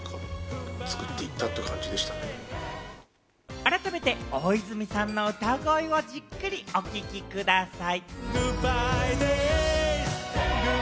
改めて大泉さんの歌声をじっくりお聴きください。